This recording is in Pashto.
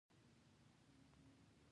انګلیسي متل وایي ښه ملګری د ځان ښه کول دي.